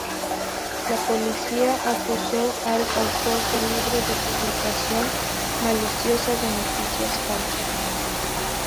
La policía acusó al autor del libro de publicación maliciosa de noticias falsas.